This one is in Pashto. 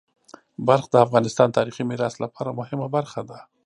بلخ د افغانستان د تاریخی میراث لپاره مهمه برخه ده.